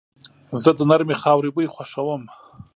زه د نرمې خاورې بوی خوښوم.